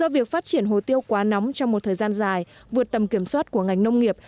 việc phát triển hồ tiêu quá nóng trong một thời gian dài vượt tầm kiểm soát của ngành nông nghiệp